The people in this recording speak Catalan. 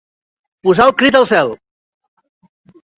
Posar el crit al cel.